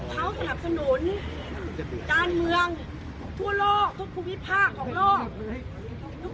เขาสนับสนุนการเมืองทั่วโลกทุกภูมิภาคของโลก